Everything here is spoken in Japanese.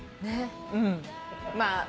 うんまあ。